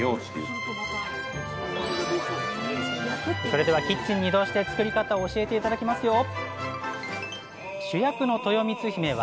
それではキッチンに移動して作り方を教えて頂きますよ！